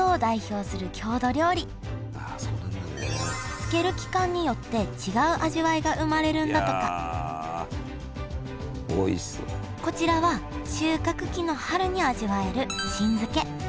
漬ける期間によって違う味わいが生まれるんだとかこちらは収穫期の春に味わえる新漬け。